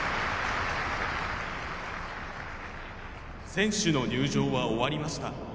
選手の入場は終わりました。